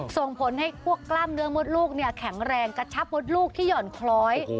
ส่งผลให้พวกกล้ามเนื้อมดลูกแข็งแรงกระชับมดลูกที่หย่อนคล้อย